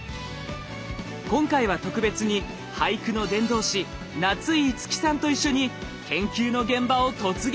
今回は特別に俳句の伝道師夏井いつきさんと一緒に研究の現場を突撃！